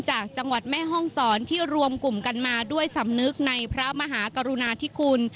จากจังหวัดแม่ห้องศรที่รวมกลุ่มกันมาด้วยสำนึกในพระมหากรุณาธิคุณ